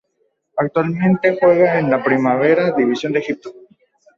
Actualmente juega en la Primera División de Egipto.